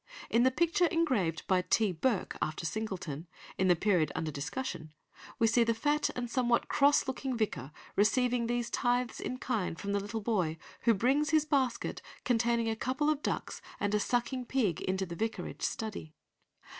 In the picture engraved by T. Burke after Singleton, in the period under discussion, we see the fat and somewhat cross looking vicar receiving these tithes in kind from the little boy, who brings his basket containing a couple of ducks and a sucking pig into the vicarage study.